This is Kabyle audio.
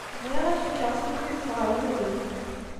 Bɣiɣ ad ak-fkeɣ tukkimt ɣer wudem.